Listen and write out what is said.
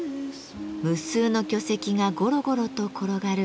無数の巨石がゴロゴロと転がる